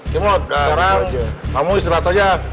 k mod sekarang kamu istirahat saja